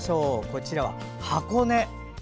こちらは箱根。